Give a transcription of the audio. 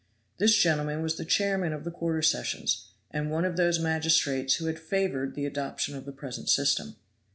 This gentleman was the chairman of the quarter sessions, and one of those magistrates who had favored the adoption of the present system.